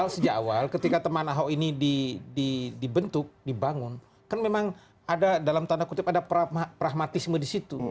sejak awal ketika teman ahok ini dibentuk dibangun kan memang ada dalam tanda kutip ada pragmatisme di situ